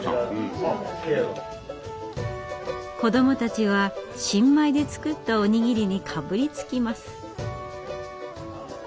子どもたちは新米で作ったお握りにかぶりつきます。